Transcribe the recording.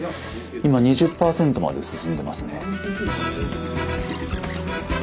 今２０％まで進んでますね。